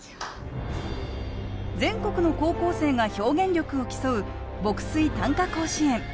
全国の高校生が表現力を競う牧水・短歌甲子園。